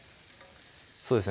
そうですね